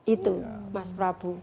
itu mas prabu